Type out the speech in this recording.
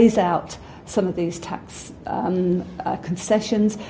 jadi kita perlu memperbaiki beberapa koncesi uang ini